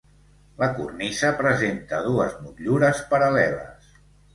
La cornisa presenta dues motllures paral·leles.